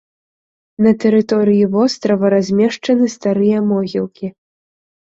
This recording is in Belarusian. На тэрыторыі вострава размешчаны старыя могілкі.